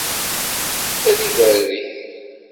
Ad ibarek.